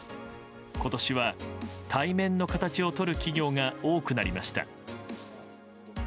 今年は対面の形をとる企業が多くなりました。